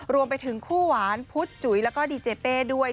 รวมไปถึงคู่หวานพุธจุ๋ยแล้วก็ดีเจเป้ด้วย